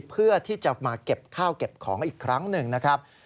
เพื่อที่จะมาเก็บข้าวเก็บของอีกครั้งหนึ่งนะครับ